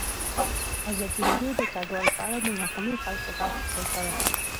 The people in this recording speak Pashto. ازادي راډیو د کډوال په اړه د محلي خلکو غږ خپور کړی.